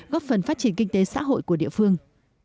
góp phần phát triển kinh tế xã hội của địa phương